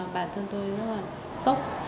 bản thân tôi rất là sốc